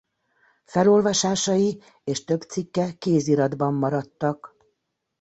Felolvasásai és több cikke kéziratban maradtak.